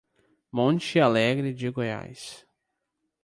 Monte Alegre de Goiás